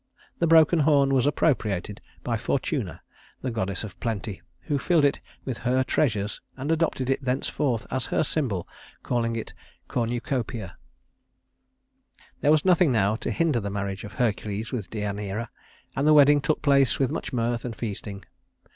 The broken horn was appropriated by Fortuna, the goddess of plenty, who filled it with her treasures, and adopted it thenceforth as her symbol, calling it Cornucopia. [Illustration: Fortuna] There was nothing now to hinder the marriage of Hercules with Deïaneira, and the wedding took place with much mirth and feasting.